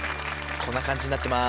こんな感じになってます。